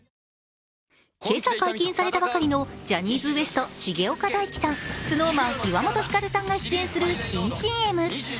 今朝解禁されたばかりのジャニーズＷＥＳＴ・重岡大毅さん、ＳｎｏｗＭａｎ・岩本照さんが出演する新ＣＭ。